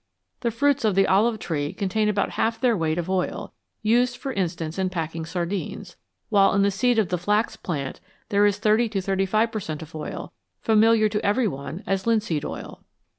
The fruits of the olive tree contain about half their weight of oil, used, for instance, in packing sardines, while in the seed of the flax plant there is 30 to 35 per cent, of oil, familiar to every one as linseed oil.